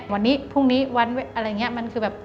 วันนี้พรุ่งนี้วันอะไรอย่างงี้